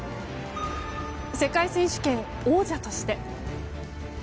世界選手権王者として。